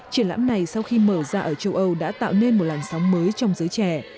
triển lãm này sau khi mở ra ở châu âu đã tạo nên một làn sóng mới trong giới trẻ